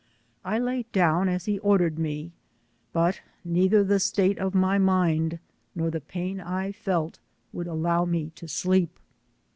I lay down as he ordered me, but neither the state of my mind nor the pain I felt would allow roe to sleep.